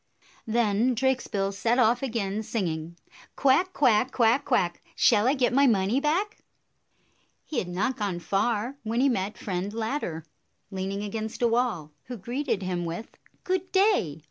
Then Drakesbill set off again, singing, "Quack, quack! Quack, quack! Shall I get my money back?" He had not gone far when he met Friend Ladder, leaning against a wall, who greeted him with, " Good day